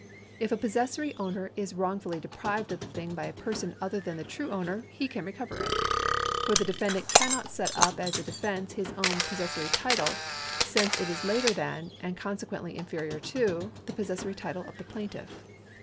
If a possessory owner is wrongfully deprived of the thing by a person other than the true owner, he can recover it. For the defendant cannot set up as a defence his own possessory title, since it is later than, and consequently inferior to, the possessory title of the plaintiff.